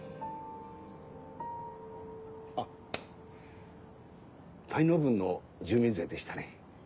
あっ滞納分の住民税でしたね。